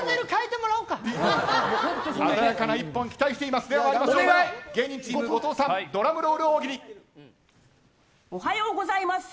鮮やかなＩＰＰＯＮ期待しています。